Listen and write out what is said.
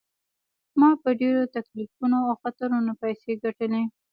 ما په ډیرو تکلیفونو او خطرونو پیسې ګټلي.